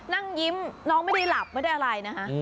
นั่งยิ้มน้องไม่ได้หลับไม่ได้อะไรนะคะ